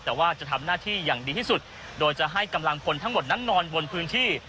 แต่ว่าจะทำหน้าที่อย่างดีที่สุดโดยจะให้กำลังพลทั้งหมดนั้นนอนบนพื้นที่